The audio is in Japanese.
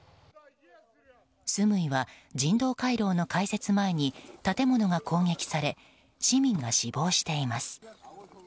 スムイは人道回廊の開設前に建物が攻撃され市民が死亡しています。